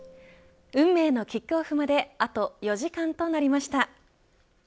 運命のキックオフまであと４時間となりました。